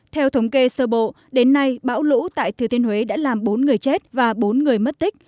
theo thống kê sơ bộ đến nay bão lũ tại thừa thiên huế đã làm bốn người chết và bốn người mất tích